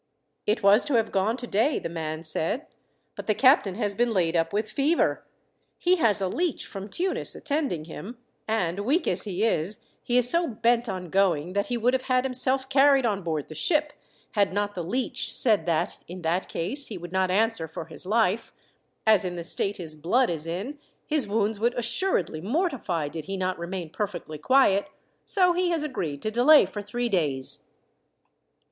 "It was to have gone today," the man said, "but the captain has been laid up with fever. He has a leech from Tunis attending him, and, weak as he is, he is so bent on going that he would have had himself carried on board the ship, had not the leech said that, in that case, he would not answer for his life, as in the state his blood is in, his wounds would assuredly mortify did he not remain perfectly quiet. So he has agreed to delay for three days."